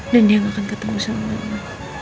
dan dia gak akan ketemu sama mama